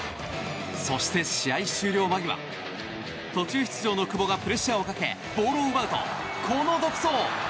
そして、試合終了間際途中出場の久保がプレッシャーをかけボールを奪うと、この独走。